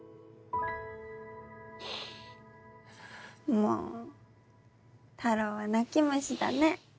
もうたろーは泣き虫だね。